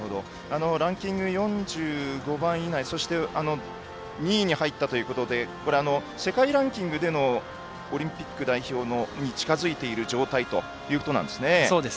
ランキング４５番以内２位に入ったということで世界ランキングでのオリンピック代表に近づいているそうです。